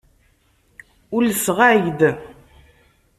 Ulseɣ-ak-d.